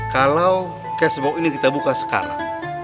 kalau cashboard ini kita buka sekarang